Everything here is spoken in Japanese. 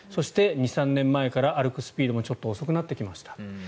そして２３年前から歩くスピードもちょっと遅くなってきました。